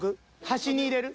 端に入れる？